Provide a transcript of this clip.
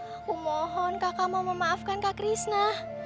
aku mohon kakak mau memaafkan kak krishna